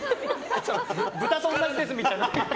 豚と同じですみたいな。